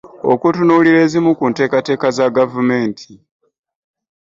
Okutunuulira ezimu ku nteekateeka za gavumenti.